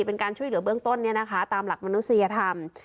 เป็นการช่วยเหลือเบื้องต้นเนี่ยนะคะตามหลักมนุษยธรรม